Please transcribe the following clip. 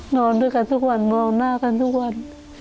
นอนด้วยกันทุกวันมองหน้ากันทุกวัน